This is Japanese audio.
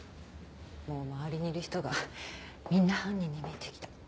もう周りにいる人がみんな犯人に見えてきた。